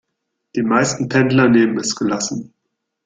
Die meisten Pendler nehmen es gelassen.